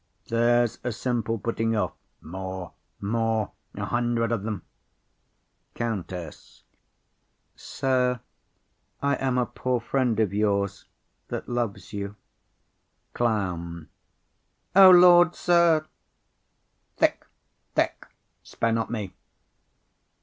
There's a simple putting off. More, more, a hundred of them. COUNTESS. Sir, I am a poor friend of yours, that loves you. CLOWN. O Lord, sir! Thick, thick; spare not me.